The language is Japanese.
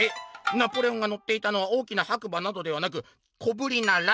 ナポレオンがのっていたのは大きな白馬などではなく小ぶりなラバ。